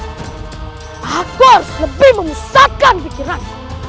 air aku harus lebih memusatkan pikiran